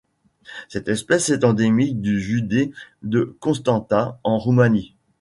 Cette espèce est endémique du județ de Constanța en Roumanie.